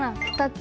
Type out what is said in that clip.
２つ